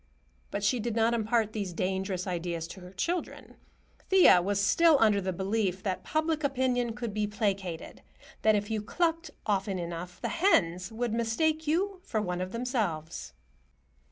But she did not impart these dangerous ideas to her children. Thea was still under the belief that public opinion could be placated; that if you clucked often enough, the hens would mistake you for one of themselves.